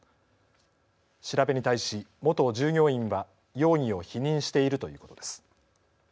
調べに対し、元従業員は容疑を否認しているということです。